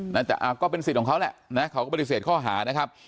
นั่นแต่ก็เป็นสิทธิ์ของเขาแหละนะเขาก็ปฏิเสธข้อหานะครับ